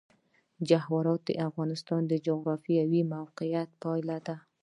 جواهرات د افغانستان د جغرافیایي موقیعت پایله ده.